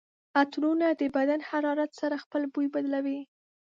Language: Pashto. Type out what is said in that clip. عطرونه د بدن حرارت سره خپل بوی بدلوي.